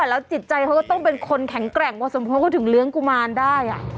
แล้วจิตใจเขาก็ต้องเป็นคนแข็งแกร่งพอสมควรเขาถึงเลี้ยงกุมารได้